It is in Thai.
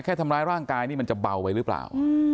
แค่ทำร้ายร่างกายนี่มันจะเบาไปหรือเปล่า